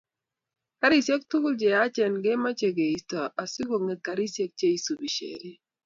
Garisiek tugul che yachen komoche keisto asi konget garisiek che isubi sheria